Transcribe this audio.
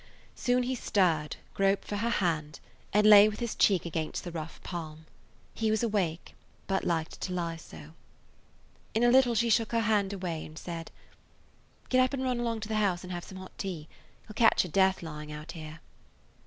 Soon he stirred, groped for her hand, and lay with his cheek against the rough palm. He was awake, but liked to lie so. In a little she shook her hand away and said: "Get up and run along to the house and have some hot tea. You 'll catch your death lying out here."